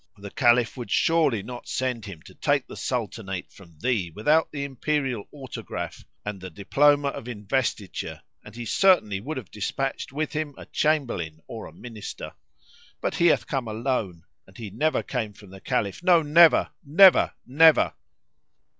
The Caliph would surely not send him to take the Sultanate from thee without the imperial autograph[FN#70] and the diploma of investiture, and he certainly would have despatched with him a Chamberlain or a Minister. But he hath come alone and he never came from the Caliph, no, never! never! never!"